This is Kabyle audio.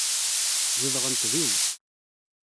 Zedɣent din.